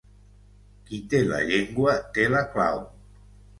Qui té la llengua, té la clau.